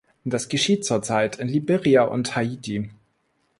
Das geschieht zurzeit in Liberia und Haiti.